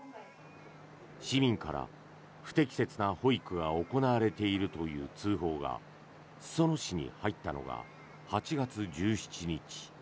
市民から、不適切な保育が行われているという通報が裾野市に入ったのが８月１７日。